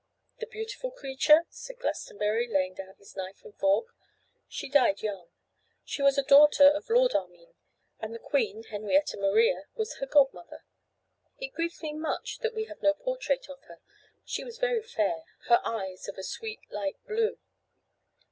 'The beautiful creature!' said Glastonbury, laying down his knife and fork; 'she died young. She was a daughter of Lord Armine; and the Queen, Henrietta Maria, was her godmother. It grieves me much that we have no portrait of her. She was very fair, her eyes of a sweet light blue.